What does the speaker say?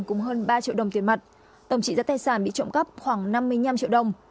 cùng hơn ba triệu đồng tiền mặt tổng trị giá tài sản bị trộm cắp khoảng năm mươi năm triệu đồng